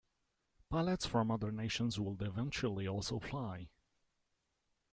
Pilots from other nations would eventually also fly.